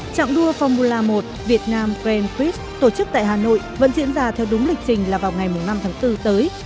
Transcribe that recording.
trạng đua formula một việt nam grand prix tổ chức tại hà nội vẫn diễn ra theo đúng lịch trình là vào ngày năm tháng bốn tới